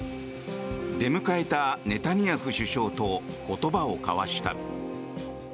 出迎えたネタニヤフ首相と言葉を交わした。